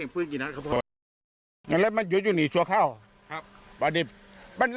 พันเรื่อยตุ๊บพุ้ย